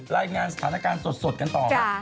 รายงานสถานการณ์สดกันต่อ